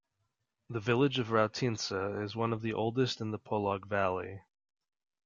The village of Raotince is one of the oldest in the Polog Valley.